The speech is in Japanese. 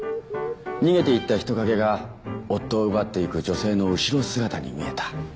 逃げていった人影が夫を奪っていく女性の後ろ姿に見えた。